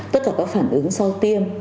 tất cả các phản ứng sau tiêm